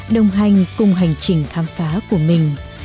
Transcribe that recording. đồng hành cùng hành trình thám phá của mình